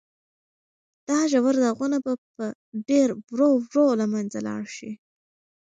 دا ژور داغونه به په ډېرې ورو ورو له منځه لاړ شي.